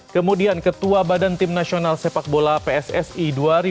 kemudian ketua badan tim nasional sepak bola pssi dua ribu tiga belas dua ribu lima belas